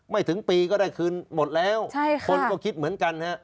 ไม่ถึงปีก็ได้คืนหมดแล้วคนก็คิดเหมือนกัน